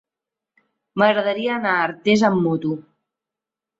M'agradaria anar a Artés amb moto.